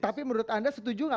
tapi menurut anda setuju atau tidak